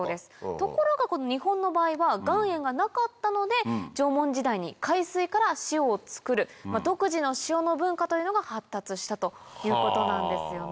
ところが日本の場合は岩塩がなかったので縄文時代に海水から塩を作る独自の塩の文化というのが発達したということなんですよね。